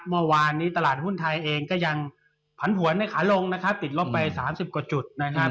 เมื่อวานนี้ตลาดหุ้นไทยเองก็ยังผันผวนในขาลงนะครับติดลบไป๓๐กว่าจุดนะครับ